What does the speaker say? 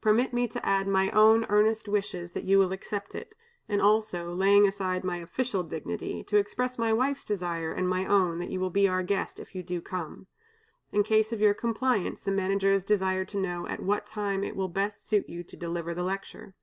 Permit me to add my own earnest wishes that you will accept it; and also, laying aside my official dignity, to express my wife's desire and my own that you will be our guest, if you do come. In case of your compliance, the Managers desire to know at what time it will best suit you to deliver the lecture.